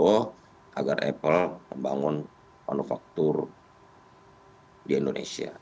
untuk membangun aplikasi yang lebih mudah untuk membangun aplikasi yang lebih mudah